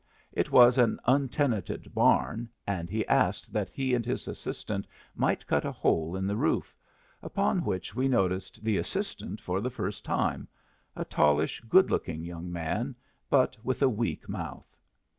It was an untenanted barn, and he asked that he and his assistant might cut a hole in the roof, upon which we noticed the assistant for the first time a tallish, good looking young man, but with a weak mouth.